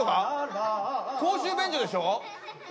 公衆便所でしょ？